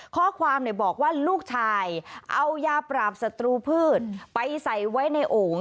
ข้อความบอกว่าลูกชายเอายาปราบศัตรูพืชไปใส่ไว้ในโอ่ง